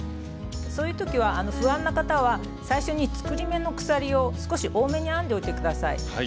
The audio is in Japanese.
そういう時は不安な方は最初に作り目の鎖を少し多めに編んでおいて下さい。